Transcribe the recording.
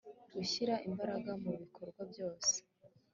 gushyira imbaraga mu bikorwa byose